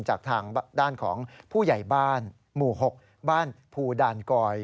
จากทางด้านของผู้ใหญ่บ้านหมู่๖บ้านภูดานกอย